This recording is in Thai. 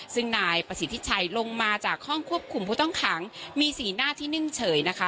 ซึ่งนายประสิทธิชัยลงมาจากห้องควบคุมผู้ต้องขังมีสีหน้าที่นิ่งเฉยนะคะ